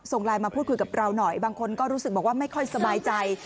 ไลน์มาพูดคุยกับเราหน่อยบางคนก็รู้สึกบอกว่าไม่ค่อยสบายใจ